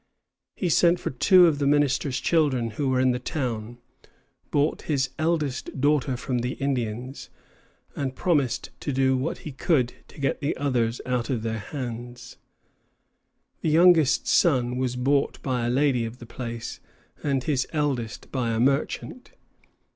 He sent for two of the minister's children who were in the town, bought his eldest daughter from the Indians, and promised to do what he could to get the others out of their hands. His youngest son was bought by a lady of the place, and his eldest by a merchant.